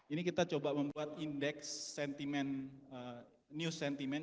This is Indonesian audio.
ini kita coba membuat indeks sentimen news sentiment